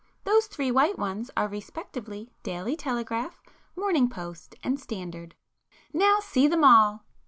Those three white ones are respectively 'Daily Telegraph,' 'Morning Post,' and 'Standard.' Now see them all!"